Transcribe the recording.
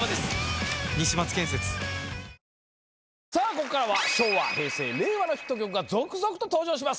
ここからは昭和平成令和のヒット曲が続々と登場します。